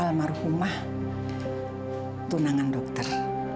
almarhumah tunangan dokter